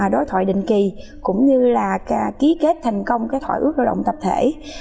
đối thoại định kỳ cũng như là ký kết thành công các hội ước lao động tập thể